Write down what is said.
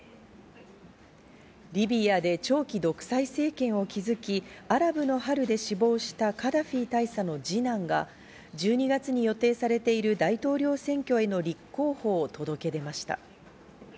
リビアで長期独裁政権を築き、「アラブの春」で死亡したカダフィ大佐の二男が１２月に予定されている大統領選挙への立候補を届け出ました。